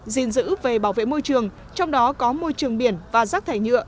gìn giữ về bảo vệ môi trường trong đó có môi trường biển và rác thải nhựa